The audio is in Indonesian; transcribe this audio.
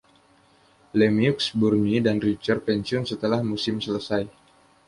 Lemieux, Burnie dan Richter pensiun setelah musim selesai.